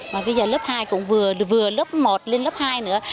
mà bây giờ lớp hai cũng vừa lớp một lên lớp hai nữa